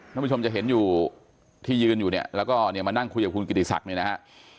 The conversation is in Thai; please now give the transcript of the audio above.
ท่านผู้ชมจะเห็นอยู่ที่ยืนอยู่เนี่ยแล้วก็เนี่ยมานั่งคุยกับคุณกิติศักดิ์เนี่ยนะฮะ